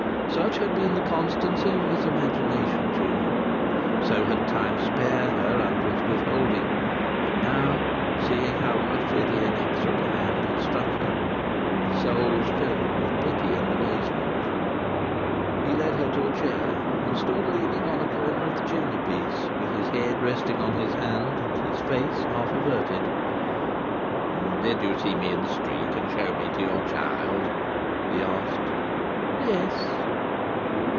Such had been the constancy of his imagination to her, so had Time spared her under its withholding, that now, seeing how roughly the inexorable hand had struck her, his soul was filled with pity and amazement. He led her to a chair, and stood leaning on a corner of the chimney piece, with his head resting on his hand, and his face half averted. "Did you see me in the street, and show me to your child?" he asked. "Yes."